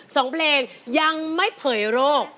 สองเพลงยังไม่เผยโรค